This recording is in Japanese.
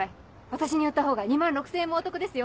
私に売ったほうが２万６０００円もお得ですよ。